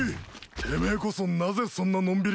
てめえこそなぜそんなのんびりしてる？